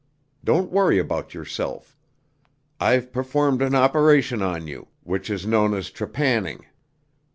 Don't worry about yourself. I've performed an operation on you, which is known as trepanning.